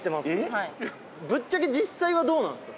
はいぶっちゃけ実際はどうなんすか？